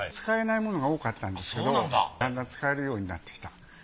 使えないものが多かったんですけどだんだん使えるようになってきた。